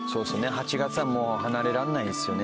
８月はもう離れられないですよね